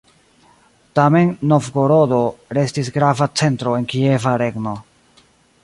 Tamen Novgorodo restis grava centro en Kieva regno.